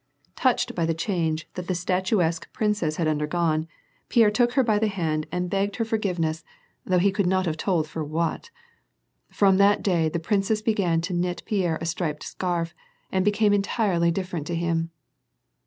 Touched by the change that the statuesque princess had undergone, Pierre took her by the hand and begged her for VOL. 1.— 16. 242 IV AH AND PEACE. giveness, though he could not have told for what. From that day the princess began to knit Pierre a striped scar^ and became entirely different to him.